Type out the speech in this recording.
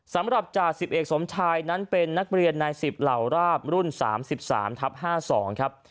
สำหรับจ่าสิบเอกสมชายนั้นเป็นนักเรียนใน๑๐เหล่าราบรุ่น๓๓ทับ๕๒ครับ